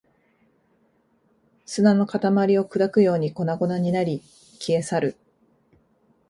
砂の塊を砕くように粉々になり、消え去る